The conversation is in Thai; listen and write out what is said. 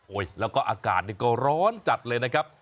โอ้ยแล้วก็อากาศก็ร้อนจัดเลยนะครับ